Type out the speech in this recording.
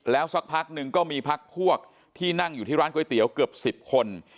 สักพักหนึ่งก็มีพักพวกที่นั่งอยู่ที่ร้านก๋วยเตี๋ยวเกือบ๑๐คน